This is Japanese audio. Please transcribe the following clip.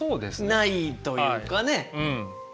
ないというかね。